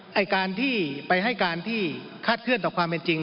ไอ้การที่ไปให้การที่คาดเคลื่อนต่อความเป็นจริง